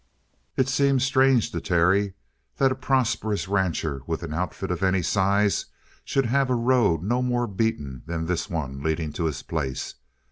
It seemed strange to Terry that a prosperous rancher with an outfit of any size should have a road no more beaten than this one leading to his place.